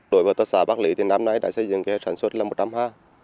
đối với hợp tác xã bắc lý năm nay đã xây dựng sản xuất là một trăm linh ha